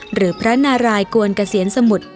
หรือพระนารายกวนเกษียณสมุทร